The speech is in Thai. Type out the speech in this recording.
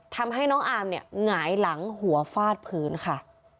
ทำให้น้องอามเนี่ยหงายหลังหัวฟาดพื้นค่ะ